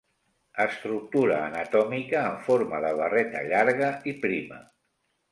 Estructura anatòmica en forma de barreta llarga i prima.